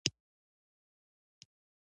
ماريا په بيړه له کېږدۍ ووته.